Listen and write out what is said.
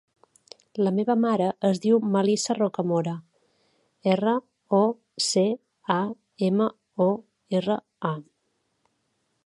La meva mare es diu Melissa Rocamora: erra, o, ce, a, ema, o, erra, a.